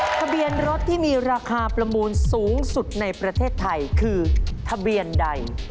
ทะเบียนรถที่มีราคาประมูลสูงสุดในประเทศไทยคือทะเบียนใด